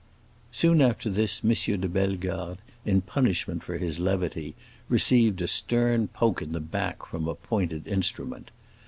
Soon after this M. de Bellegarde, in punishment for his levity, received a stern poke in the back from a pointed instrument.